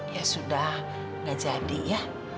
ya sudah nggak jadi ya